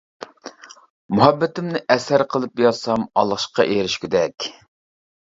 مۇھەببىتىمنى ئەسەر قىلىپ يازسام ئالقىشقا ئېرىشكۈدەك.